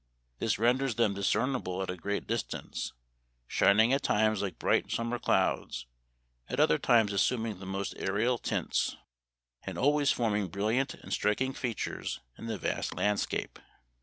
This renders them discernible at a great dis tance, shining at times like bright summer clouds, at other times assuming the most aerial tints, Memoir of Washington Irving. 233 and always forming brilliant and striking features in the vast landscape.